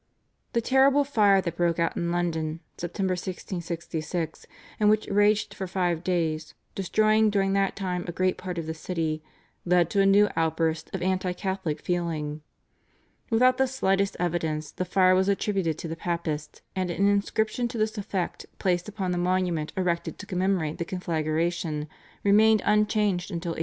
The terrible fire that broke out in London (September 1666) and which raged for five days, destroying during that time a great part of the city, led to a new outburst of anti Catholic feeling. Without the slightest evidence the fire was attributed to the Papists, and an inscription to this effect placed upon the monument erected to commemorate the conflagration remained unchanged until 1830.